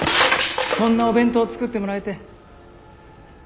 そんなお弁当作ってもらえて。